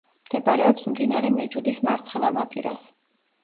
მდებარეობს მდინარე მეჯუდის მარცხენა ნაპირას.